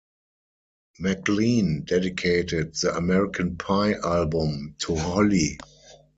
McLean dedicated the "American Pie" album to Holly.